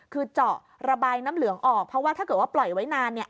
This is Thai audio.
คือเจาะระบายน้ำเหลืองออกเพราะว่าถ้าเกิดว่าปล่อยไว้นานเนี่ย